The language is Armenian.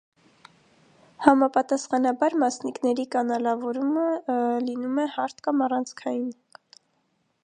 Համապատասխանաբար, մասնիկների կանալավորումը լինում է հարթ կամ առանցքային։